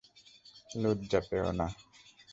লজ্জা পেও না।